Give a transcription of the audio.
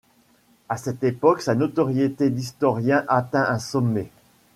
À cette époque, sa notoriété d'historien atteint un sommet.